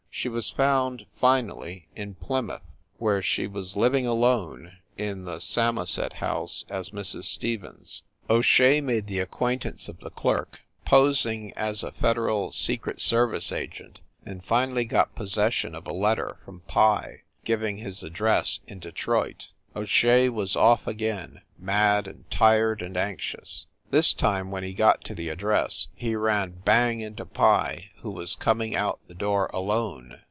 She was found, finally, in Plymouth, where she was living alone in the Samoset House, as Mrs. Stevens. O Shea made the acquaintance of 280 FIND THE WOMAN the clerk, posing as a federal secret service agent, and finally got possession of a letter from Pye, giv ing his address in Detroit. O Shea was off again, mad and tired and anxious. This time, when he got to the address, he ran bang into Pye, who was coming out the door alone.